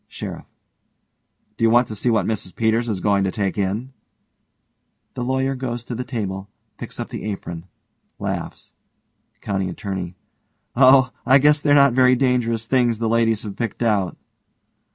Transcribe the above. SHERIFF: Do you want to see what Mrs Peters is going to take in? (The LAWYER goes to the table, picks up the apron, laughs.) COUNTY ATTORNEY: Oh, I guess they're not very dangerous things the ladies have picked out.